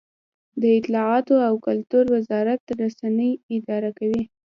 د اطلاعاتو او کلتور وزارت رسنۍ اداره کوي